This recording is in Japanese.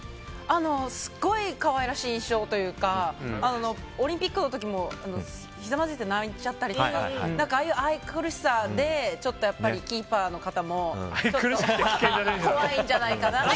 すごい可愛らしい印象というかオリンピックの時もひざまずいて泣いちゃったりとか愛くるしさでキーパーの方も怖いんじゃないかなと。